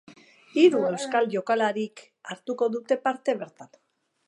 Hiru euskal jokalarik hartuko dute parte bertan.